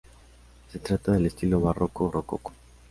Se trata del estilo barroco-rococó.